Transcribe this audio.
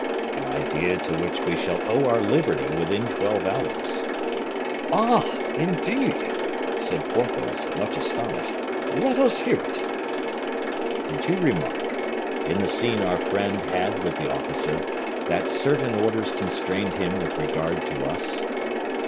"An idea to which we shall owe our liberty within twelve hours." "Ah! indeed!" said Porthos, much astonished. "Let us hear it." "Did you remark, in the scene our friend had with the officer, that certain orders constrained him with regard to us?"